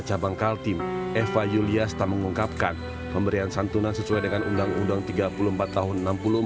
cabang kaltim eva yulyasta mengungkapkan pemberian santunan sesuai dengan undang undang tiga puluh empat tahun enam puluh empat